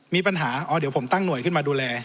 มีปัญหาอ๋อเดี๋ยวผมตั้งหน่วยขึ้นมาดูแล